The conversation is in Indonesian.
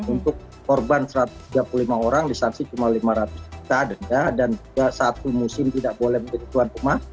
untuk korban satu ratus tiga puluh lima orang disangsi cuma lima ratus juta denda dan juga satu musim tidak boleh menjadi tuan rumah